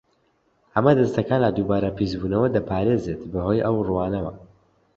ئەمە دەستەکان لە دووبارە پیسبوونەوە دەپارێزێت بەهۆی ئەو ڕووانەوە.